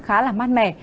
khá là mát mẻ